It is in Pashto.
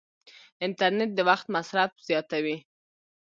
انټرنیټ د وخت مصرف زیاتوي.